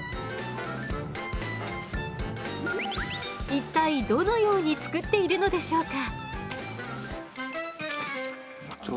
一体どのように作っているのでしょうか？